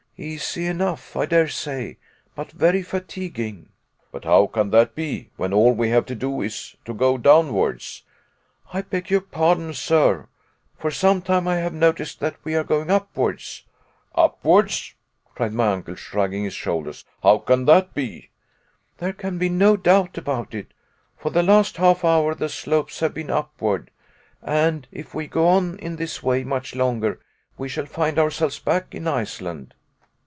"Easy enough, I dare say, but very fatiguing." "But how can that be, when all we have to do is to go downwards." "I beg your pardon, sir. For some time I have noticed that we are going upwards." "Upwards," cried my uncle, shrugging his shoulders, "how can that be?" "There can be no doubt about it. For the last half hour the slopes have been upward and if we go on in this way much longer we shall find ourselves back in Iceland."